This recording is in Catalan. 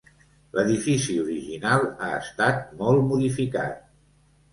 L'edifici original ha estat molt modificat.